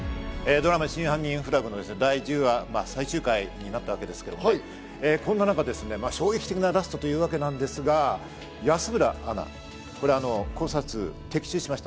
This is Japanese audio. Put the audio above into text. ドラマ『真犯人フラグ』の第１０話、最終回になったわけですけど、こんな中、衝撃的なラストというわけなんですが、安村アナ、考察、的中しました。